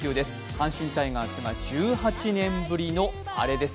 阪神タイガースが１８年ぶりのアレです。